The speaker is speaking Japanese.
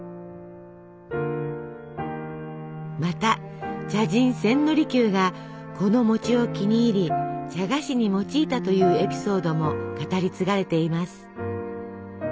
また茶人千利休がこの餅を気に入り茶菓子に用いたというエピソードも語り継がれています。